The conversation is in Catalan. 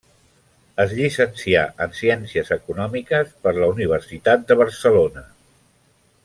Es llicencià en ciències econòmiques per la Universitat de Barcelona.